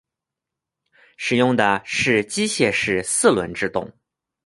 使用的是机械式四轮制动。